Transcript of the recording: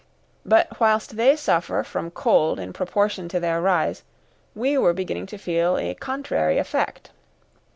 But whilst they suffer from cold in proportion to their rise, we were beginning to feel a contrary effect.